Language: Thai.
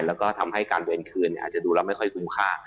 แล้วก็ทำให้การเวรคืนอาจจะดูแล้วไม่ค่อยคุ้มค่า